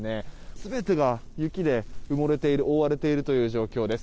全てが雪で埋もれている覆われているという状況です。